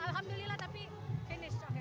alhamdulillah tapi finish